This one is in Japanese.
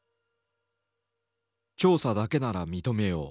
「調査だけなら認めよう」。